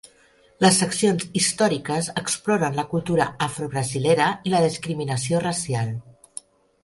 Les seccions històriques exploren la cultura afrobrasilera i la discriminació racial.